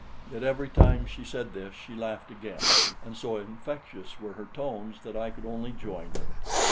Yet every time she said this she laughed again, and so infectious were her tones that I could only join her.